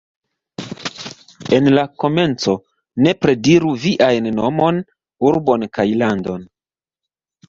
En la komenco, nepre diru viajn nomon, urbon kaj landon.